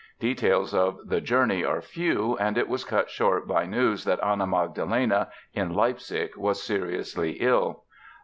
Details of the journey are few and it was cut short by news that Anna Magdalena, in Leipzig, was seriously ill.